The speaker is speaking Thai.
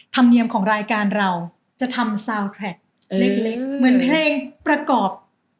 ธรรมเนียมของรายการเราจะทำซาวแทรกเล็กเหมือนเพลงประกอบ